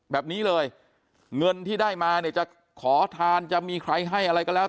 แบบนี้เลยเงินที่ได้มาเนี่ยจะขอทานจะมีใครให้อะไรก็แล้ว